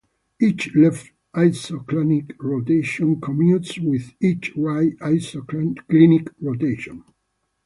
Each left-isoclinic rotation commutes with each right-isoclinic rotation.